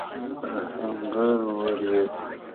آهنګر ولوېد.